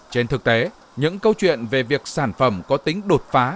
trên thực tế những câu chuyện về việc sản phẩm có tính đột phá